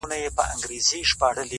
قلم د زلفو يې د هر چا زنده گي ورانوي.